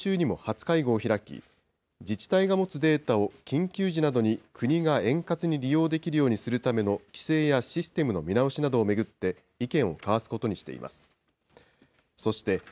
調査会は来週にも初会合を開き、自治体が持つデータを緊急時などに国が円滑に利用できるようにするための規制やシステムの見直しなどを巡って、意見を交わすことにしています。